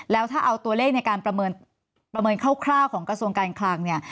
แล้วถ้าเอาตัวเลขในการประเนคร่าวของกระทรวงการคลังเนี่ย